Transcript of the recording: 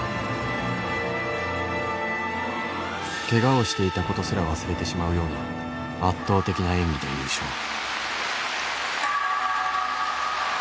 けがをしていたことすら忘れてしまうような圧倒的な演技で優勝。